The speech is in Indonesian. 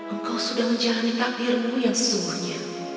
engkau sudah menjalani takdirmu yang sesungguhnya